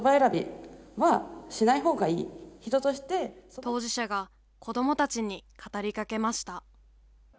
当事者が子どもたちに語りかけました。